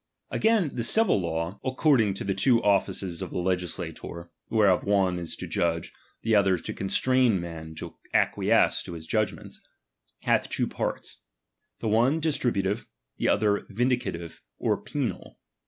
Again, the civil law (according to the two I 18 DOMINION. '. offices of the legislator, whereof one is to judge, the other to constrain men to acquiesce to his ' judgments) hath two parts ; the one distributive, the other vindicative or penal.